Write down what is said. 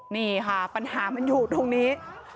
นี่ค่ะปัญหามันอยู่ตรงนี้